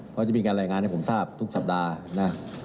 เพราะจะมีการรายงานให้ผมทราบทุกสัปดาห์นะ